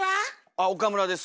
あ岡村です。